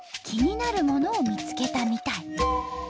気になるものを見つけたみたい。